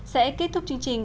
sẽ kết thúc chương trình